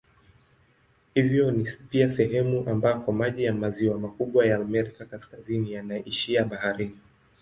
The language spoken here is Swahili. Hivyo ni pia sehemu ambako maji ya maziwa makubwa ya Amerika Kaskazini yanaishia baharini.